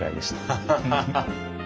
ハハハハ。